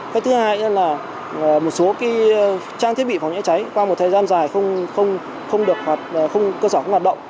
cách thứ hai là một số trang thiết bị phòng cháy cháy qua một thời gian dài cơ sở không hoạt động